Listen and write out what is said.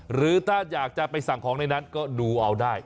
หรือถ้าอยากจะไปสั่งของในนั้นก็ดูเอาได้